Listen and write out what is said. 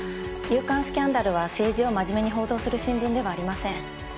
『夕刊スキャンダル』は政治を真面目に報道する新聞ではありません。